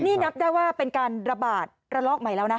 นี่นับได้ว่าเป็นการระบาดระลอกใหม่แล้วนะ